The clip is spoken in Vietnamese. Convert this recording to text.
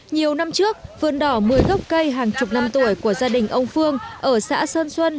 nhiều năm trước vườn đỏ một mươi gốc cây hàng chục năm tuổi của gia đình ông phương ở xã sơn xuân